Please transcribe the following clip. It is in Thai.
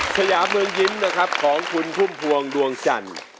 สยะมือยิ้มค์นะครับของคุณพุ่มภวงดวงชัน